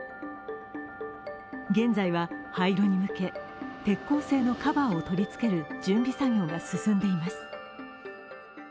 現在は廃炉に向け、鉄鋼製のカバーを取りつける準備作業が進んでいます。